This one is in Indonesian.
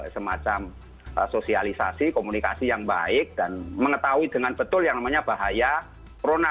semacam sosialisasi komunikasi yang baik dan mengetahui dengan betul yang namanya bahaya corona